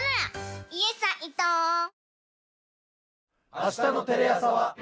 明日のテレ朝は。